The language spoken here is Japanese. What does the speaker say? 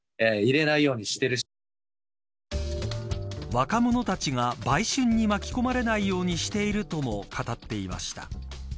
若者たちが売春に巻き込まれないようにしているとも語っていました。